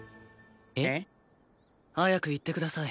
へっ？早く言ってください。